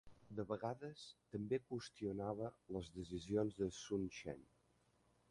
De vegades també qüestionava les decisions de Sun Chen.